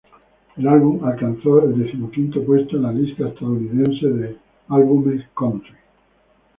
El álbum alcanzó el decimoquinto puesto en la lista estadounidense de álbumes "country".